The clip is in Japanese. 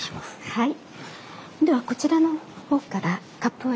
はい。